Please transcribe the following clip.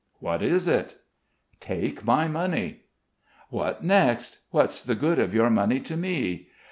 "What is it?" "Take my money." "What next? What's the good of your money to me?"